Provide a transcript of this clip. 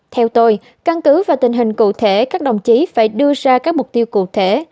theo tôi căn cứ và tình hình cụ thể các đồng chí phải đưa ra các mục tiêu cụ thể